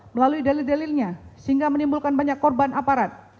melalui delil delilnya sehingga menimbulkan banyak korban aparat